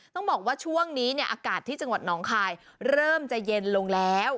ต้องบอกว่าช่วงนี้เนี่ยอากาศที่จังหวัดน้องคายเริ่มจะเย็นลงแล้ว